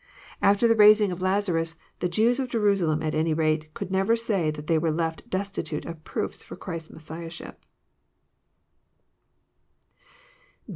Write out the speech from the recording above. After the raising of Lazarus, the Jews of Jerusalem at any rate could never say that they were left destitute of proofs of Christ's Messiahship.